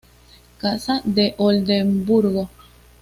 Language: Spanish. Casa de Oldemburgo